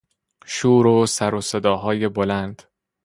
شور سروصداهای بلند